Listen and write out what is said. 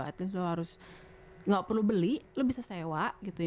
at least lo harus gak perlu beli lo bisa sewa gitu ya